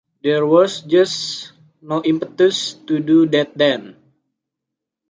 There was just no impetus to do that then.